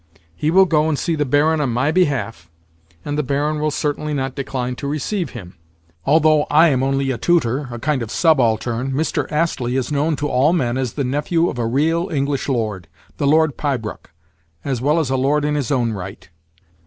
He will go and see the Baron on MY behalf, and the Baron will certainly not decline to receive him. Although I am only a tutor—a kind of subaltern, Mr. Astley is known to all men as the nephew of a real English lord, the Lord Piebroch, as well as a lord in his own right.